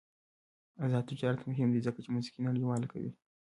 آزاد تجارت مهم دی ځکه چې موسیقي نړیواله کوي.